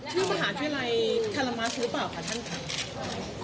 ชื่อมหาชื่ออะไรธรรมาศื้อเปล่าค่ะท่าน